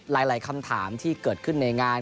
หลายคำถามที่เกิดขึ้นในงาน